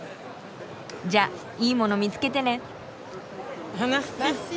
じゃいいもの見つけてね。